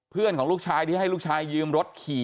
ของลูกชายที่ให้ลูกชายยืมรถขี่